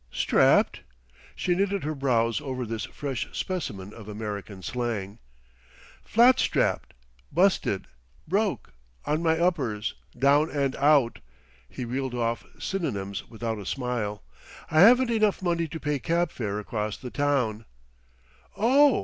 "Strapped?" She knitted her brows over this fresh specimen of American slang. "Flat strapped busted broke on my uppers down and out," he reeled off synonyms without a smile. "I haven't enough money to pay cab fare across the town " "Oh!"